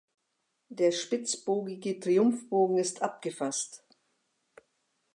Der spitzbogige Triumphbogen ist abgefast.